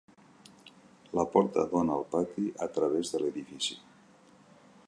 La porta dóna al pati a través de l'edifici.